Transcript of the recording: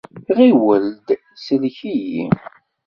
Ɣiwel-d sellek-iyi!